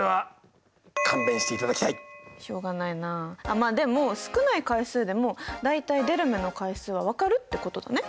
まあでも少ない回数でも大体出る目の回数は分かるってことだね。